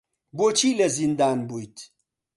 بۆچی لە زیندان بوویت؟